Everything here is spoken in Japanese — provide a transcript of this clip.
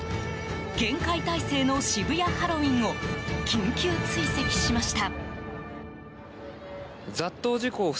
厳戒態勢の渋谷ハロウィーンを緊急追跡しました。